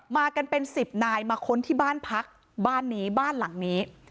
มากันเป็นสิบนายมาค้นที่บ้านพักบ้านนี้บ้านหลังนี้